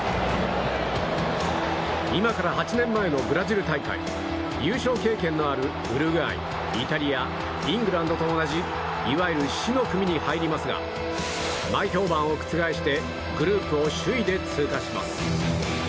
今から８年前のブラジル大会優勝経験のあるウルグアイイタリア、イングランドと同じいわゆる死の組に入りますが前評判を覆してグループを首位で通過します。